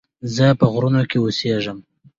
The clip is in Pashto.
زه په غرونو کې اوسيږم